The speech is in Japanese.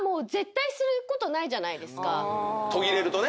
途切れるとね。